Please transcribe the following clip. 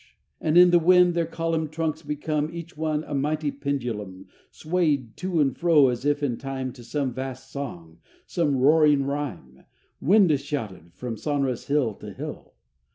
And in the wind their columned trunks become, Each one, a mighty pendulum, Swayed to and fro as if in time To some vast song, some roaring rhyme, Wind shouted from sonorous hill to hill.